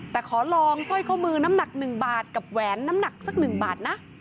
แต่ขอลองสร้อยข้อมือน้ำหนัก๑บาทกับแหวนน้ำหนักสัก๑บาทนะ